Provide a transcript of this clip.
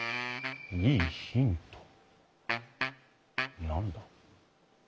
いいヒント何だ？